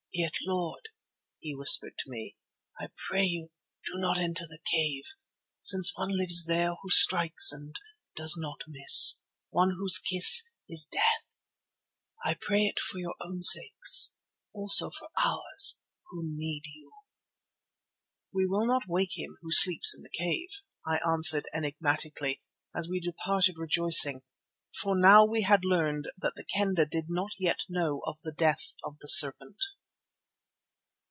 Yet, Lord," he whispered to me, "I pray you do not enter the cave, since One lives there who strikes and does not miss, One whose kiss is death. I pray it for your own sakes, also for ours who need you." "We shall not wake him who sleeps in the cave," I answered enigmatically, as we departed rejoicing, for now we had learned that the Kendah did not yet know of the death of the serpent.